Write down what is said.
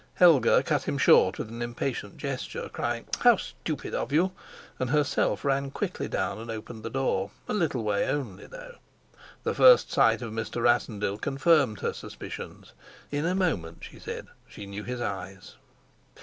Helga cut him short with an impatient gesture, crying, "How stupid of you!" and herself ran quickly down and opened the door a little way only, though. The first sight of Mr. Rassendyll confirmed her suspicions; in a moment, she said, she knew his eyes.